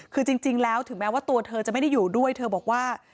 คือจริงแล้วถึงแม้ว่าตัวเธอจะไม่ได้อยู่ด้วยเธอบอกว่า